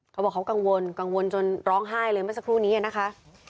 ก็บอกเขากังวลจนร้องไห้เลยมาสักครู่นี้นะคะ